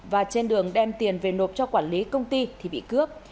và trên đường đem tiền về nộp cho quản lý công ty thì bị cướp